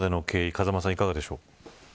風間さんはいかがでしょう。